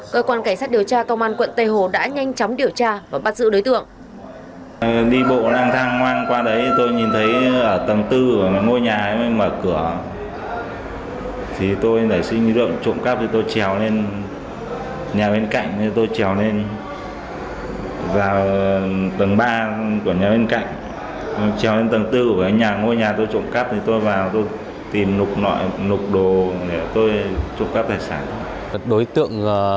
cơ quan cảnh sát điều tra công an quận tây hồ đã nhanh chóng điều tra và bắt giữ đối tượng